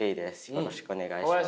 よろしくお願いします。